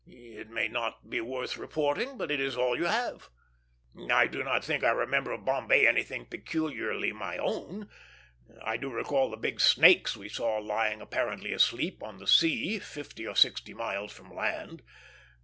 It may not be worth reporting, but it is all you have. I do not think I remember of Bombay anything thus peculiarly my own. I do recall the big snakes we saw lying apparently asleep on the sea, fifty or sixty miles from land.